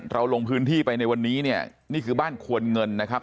ลงพื้นที่ไปในวันนี้เนี่ยนี่คือบ้านควรเงินนะครับ